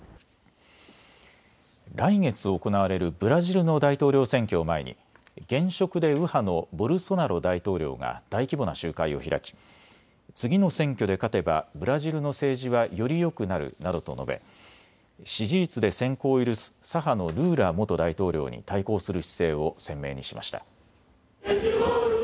来月行われるブラジルの大統領選挙を前に現職で右派のボルソナロ大統領が大規模な集会を開き、次の選挙で勝てばブラジルの政治はよりよくなるなどと述べ支持率で先行を許す左派のルーラ元大統領に対抗する姿勢を鮮明にしました。